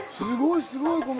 すごいすごい！